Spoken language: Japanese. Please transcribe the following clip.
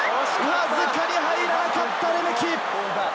わずかに入らなかったレメキ。